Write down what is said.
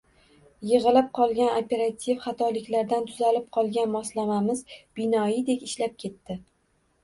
Yig‘ilib qolgan operativ xatoliklardan tuzalib olgan moslamamiz binoyidek ishlab ketdi.